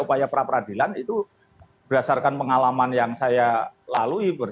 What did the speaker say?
upaya pra peradilan itu berdasarkan pengalaman yang saya lalui